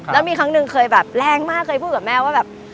แล้วมีครั้งหนึ่งเคยแบบแรงมากเคยพูดกับแม่ว่าแบบ